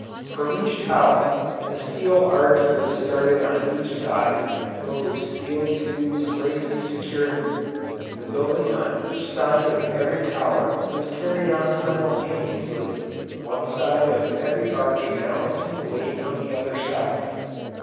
From each tower a steel arch was started on each side, built of steel tubes braced securely; the building on each side of every tower was carried on simultaneously, one side of every arch balancing the weight on the other side.